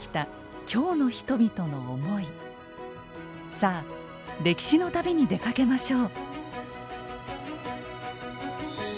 さあ歴史の旅に出かけましょう。